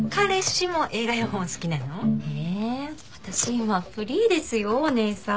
今フリーですよお義姉さん。